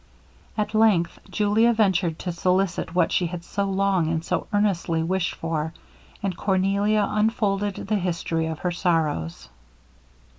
At length Julia ventured to solicit what she had so long and so earnestly wished for, and Cornelia unfolded the history of her sorrows.